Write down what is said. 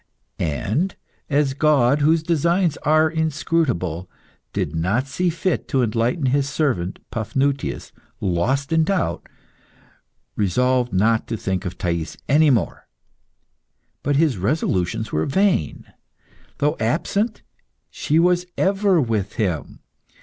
And as God, whose designs are inscrutable, did not see fit to enlighten his servant, Paphnutius, lost in doubt, resolved not to think of Thais any more. But his resolutions were vain. Though absent, she was ever with him.